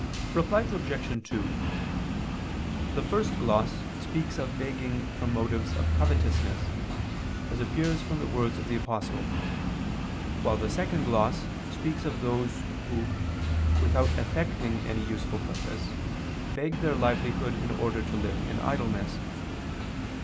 Reply Obj. 2: The first gloss speaks of begging from motives of covetousness, as appears from the words of the Apostle; while the second gloss speaks of those who without effecting any useful purpose, beg their livelihood in order to live in idleness.